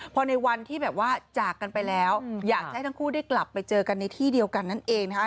พอในวันที่แบบว่าจากกันไปแล้วอยากจะให้ทั้งคู่ได้กลับไปเจอกันในที่เดียวกันนั่นเองนะคะ